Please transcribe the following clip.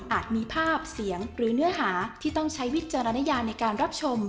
มีภาพเสียงหรือเนื้อหาที่ต้องใช้วิจารณญาในการรับชม